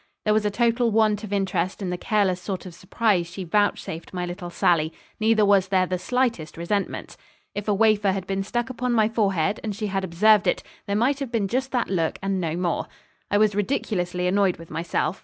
There was a total want of interest in the careless sort of surprise she vouchsafed my little sally; neither was there the slightest resentment. If a wafer had been stuck upon my forehead, and she had observed it, there might have been just that look and no more. I was ridiculously annoyed with myself.